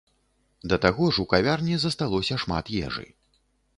Да таго ж у кавярні засталося шмат ежы.